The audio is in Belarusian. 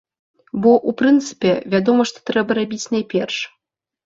Бо, у прынцыпе, вядома што трэба рабіць найперш.